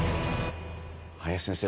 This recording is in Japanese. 林先生